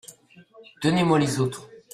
Donnez-moi les autres.